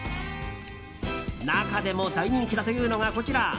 中でも大人気だというのがこちら。